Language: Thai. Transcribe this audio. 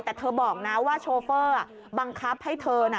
แต่เธอบอกนะว่าโชเฟอร์บังคับให้เธอน่ะ